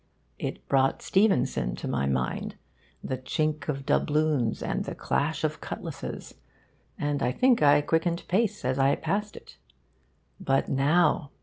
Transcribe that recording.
It brought Stevenson to my mind: the chink of doubloons and the clash of cutlasses; and I think I quickened pace as I passed it. But now!